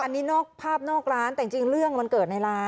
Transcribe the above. อันนี้นอกภาพนอกร้านแต่จริงเรื่องมันเกิดในร้าน